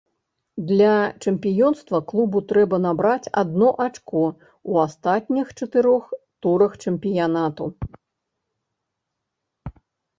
Для чэмпіёнства клубу трэба набраць адно ачко ў астатніх чатырох турах чэмпіянату.